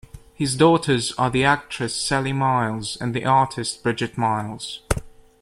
His daughters are the actress Sally Miles and the artist Bridget Miles.